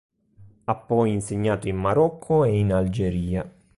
Ha poi insegnato in Marocco e in Algeria.